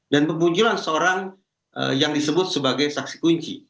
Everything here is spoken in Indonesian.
dan kemunculan seorang yang disebut sebagai saksi kunci